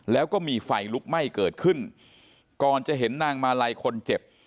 แล้วก็มีไฟลุกไหม้เกิดขึ้นก่อนจะเห็นนางมาลัยคนเจ็บ